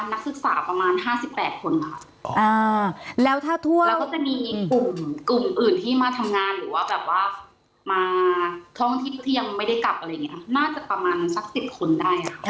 นักศึกษาประมาณ๕๘คนค่ะแล้วถ้าทั่วแล้วก็จะมีกลุ่มกลุ่มอื่นที่มาทำงานหรือว่าแบบว่ามาท่องที่ยังไม่ได้กลับอะไรอย่างนี้น่าจะประมาณสัก๑๐คนได้ค่ะ